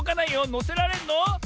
のせられるの？